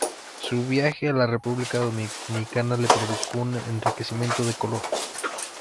Su viaje a la República Dominicana le provocó un enriquecimiento de color.